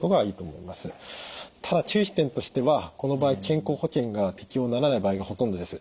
ただ注意点としてはこの場合健康保険が適用にならない場合がほとんどです。